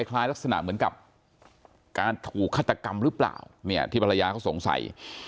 คล้ายลักษณะเหมือนกับการถูกฆาตกรรมหรือเปล่าเนี่ยที่ภรรยาเขาสงสัย